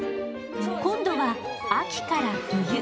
今度は秋から冬。